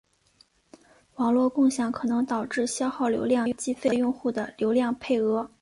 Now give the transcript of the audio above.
网络共享可能导致消耗流量计费用户的流量配额。